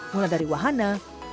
mulai dari wahana